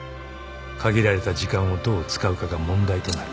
［限られた時間をどう使うかが問題となる］